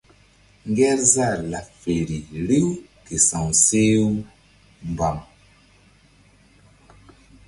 Ŋgerzah laɓ feri riw ke sa̧w she u mbam.